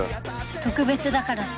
特別だからぞ。